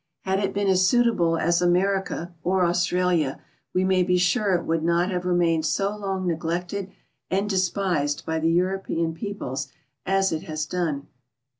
Had it been as suitable as America or Australia, we may be sure it would not have remained so long neglected and despise.l by tbe European peoples as it has done.